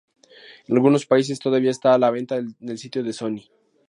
En algunos países todavía está a la venta en el sitio web de Sony.